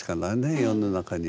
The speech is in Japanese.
世の中には。